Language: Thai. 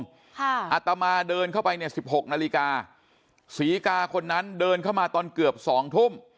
อาตมาเดินเข้าไปเนี่ยสิบหกนาฬิกาศรีกาคนนั้นเดินเข้ามาตอนเกือบสองทุ่ม